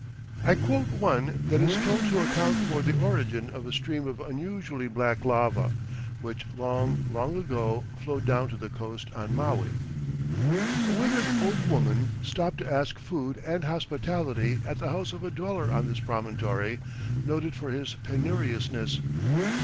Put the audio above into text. I quote one that is told to account for the origin of a stream of unusually black lava, which long, long ago flowed down to the coast on Maui: "A withered old woman stopped to ask food and hospitality at the house of a dweller on this promontory, noted for his penuriousness.